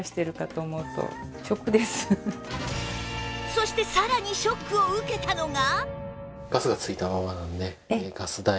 そしてさらにショックを受けたのが